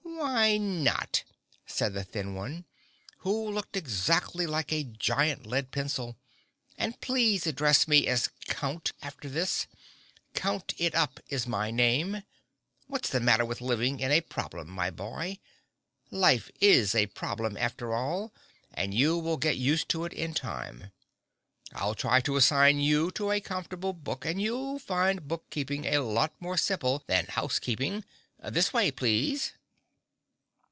"Why not?" said the thin one, who looked exactly like a giant lead pencil. "And please address me as Count, after this—Count It Up is my name. What's the matter with living in a problem, my boy? Life is a problem, after all, and you will get used to it in time. I'll try to assign you to a comfortable book and you'll find book keeping a lot more simple than house keeping. This way, please!"